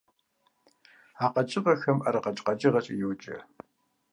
А къэкӀыгъэхэм ӀэрыгъэкӀ къэкӀыгъэкӀэ йоджэ.